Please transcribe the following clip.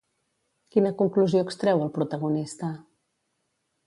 Quina conclusió extreu el protagonista?